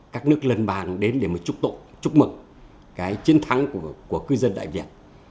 các nước lân bàn đến để chúc tụ chúc mừng chiến thắng của cư dân đại việt